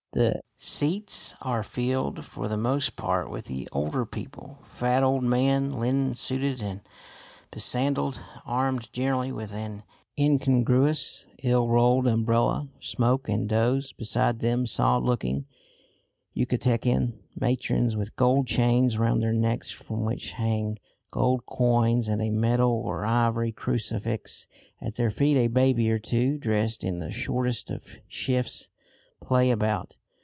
The seats are filled for the most part with the older people; fat old men, linen suited and besandalled, armed generally with an incongruous ill rolled umbrella, smoke and doze; beside them solid looking Yucatecan matrons with gold chains round their necks from which hang gold coins and a metal or ivory crucifix; at their feet a baby or two, dressed in the shortest of shifts, play about.